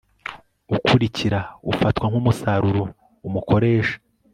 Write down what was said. ukurikira ufatwa nk umusaruro umukoresha